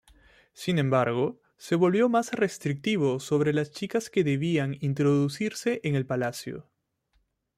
Sin embargo, se volvió más restrictivo sobre las chicas que debían introducirse en palacio.